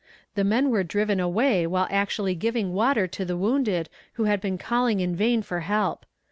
The men were driven away while actually giving water to the wounded who had been calling in vain for help.